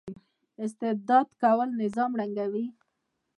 استبداد کول نظام ړنګوي